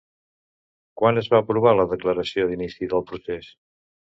Quan es va aprovar la declaració d'inici del procés?